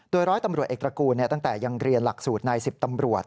โดยร้อยตำรวจเอกตระกูลตั้งแต่ยังเรียนหลักสูตรใน๑๐ตำรวจ